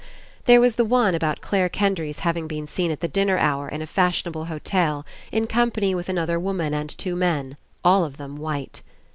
There was the one about Clare Ken dry's having been seen at the dinner hour in a fashionable hotel in company with another woman and two men, all of them white.